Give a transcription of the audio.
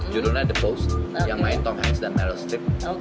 judulnya the post yang main tom hanks dan meryl streep